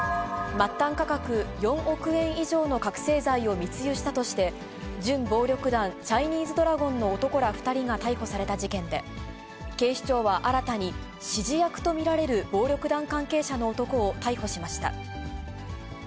末端価格４億円以上の覚醒剤を密輸したとして、準暴力団、チャイニーズドラゴンの男ら２人が逮捕された事件で、警視庁は新たに指示役と見られる暴力団関係者の男を逮捕しました。